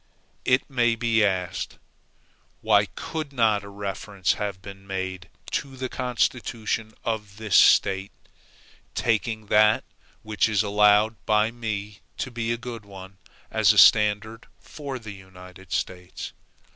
It may be asked, Why could not a reference have been made to the constitution of this State, taking that, which is allowed by me to be a good one, as a standard for the United States?